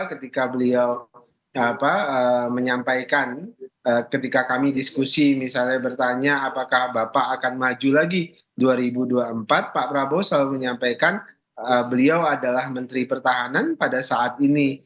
ketika beliau menyampaikan ketika kami diskusi misalnya bertanya apakah bapak akan maju lagi dua ribu dua puluh empat pak prabowo selalu menyampaikan beliau adalah menteri pertahanan pada saat ini